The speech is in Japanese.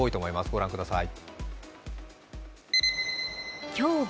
ご覧ください。